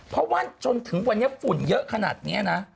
เพราะว่าจนถึงวันนี้ฝุ่นเยอะขนาดนี้นะ